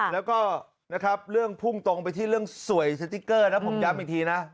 แล้วก็นะครับเรื่องพุ่งตรงไปที่เรื่องสวยสติ๊กเกอร์นะผมย้ำอีกทีนะ